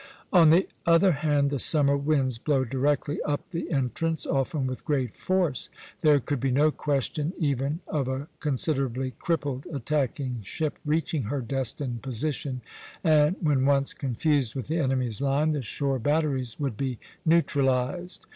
On the other hand, the summer winds blow directly up the entrance, often with great force. There could be no question even of a considerably crippled attacking ship reaching her destined position, and when once confused with the enemy's line, the shore batteries would be neutralized.